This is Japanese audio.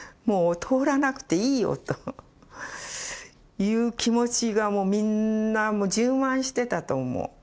もう通らなくていいよという気持ちがもうみんな充満してたと思う。